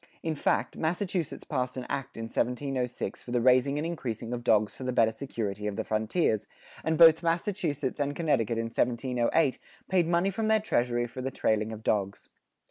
"[45:5] In fact Massachusetts passed an act in 1706 for the raising and increasing of dogs for the better security of the frontiers, and both Massachusetts and Connecticut in 1708 paid money from their treasury for the trailing of dogs.